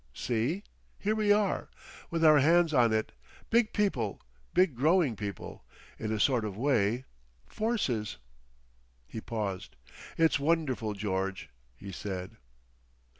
See? Here we are—with our hands on it. Big people. Big growing people. In a sort of way,—Forces." He paused. "It's wonderful, George," he said.